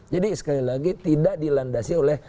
jadi sekali lagi tidak dilandasi oleh